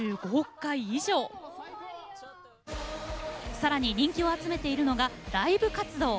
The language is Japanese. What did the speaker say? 更に人気を集めているのがライブ活動。